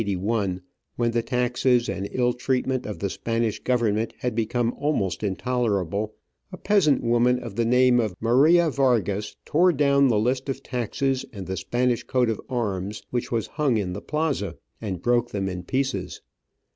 On the i6th of March, 1781, when the taxes and ill treatment of the Spanish Government had become almost intolerable, a peasant woman of the name of Maria Vargas tore down the list of taxes and the Spanish coat of arms, which was hung in the plaza, and broke them in pieces.